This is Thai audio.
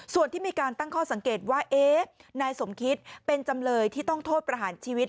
ส่วนที่มีการตั้งข้อสังเกตว่านายสมคิตเป็นจำเลยที่ต้องโทษประหารชีวิต